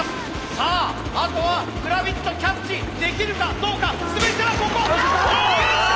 さああとはグラビットキャッチできるかどうか全てはここ！できた！